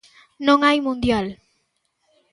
Non hai mundial.